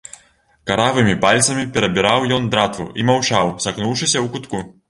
Каравымі пальцамі перабіраў ён дратву і маўчаў, сагнуўшыся ў кутку.